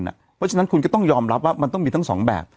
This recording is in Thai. เพราะฉะนั้นคุณก็ต้องยอมรับว่ามันต้องมีทั้งสองแบบ